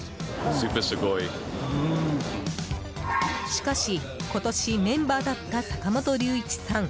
しかし、今年メンバーだった坂本龍一さん